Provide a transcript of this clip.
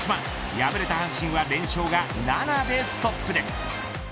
敗れた阪神は連勝が７でストップです。